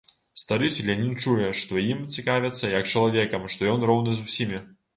Стары селянін чуе, што ім цікавяцца як чалавекам, што ён роўны з усімі.